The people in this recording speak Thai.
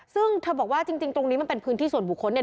ซึ่งเธอบอกว่าจริงตรงนี้มันเป็นพื้นที่ส่วนบุคคลเนี่ย